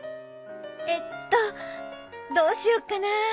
えっとどうしよっかな。